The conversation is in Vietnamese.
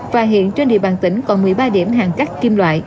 và hiện trên địa bàn tỉnh còn một mươi ba điểm hàn cắt kim loại